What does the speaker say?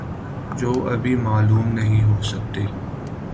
جہ ابھی معلوم نہیں ہو سکی